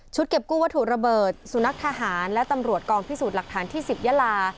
เก็บกู้วัตถุระเบิดสุนัขทหารและตำรวจกองพิสูจน์หลักฐานที่๑๐ยาลา